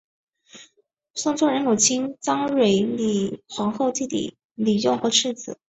宋仁宗母亲章懿李皇后弟弟李用和次子。